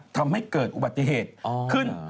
ทำให้เกิดอุบัติเหตุขึ้น